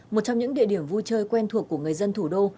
một trong những địa điểm vui chơi quen thuộc của người dân thủ đô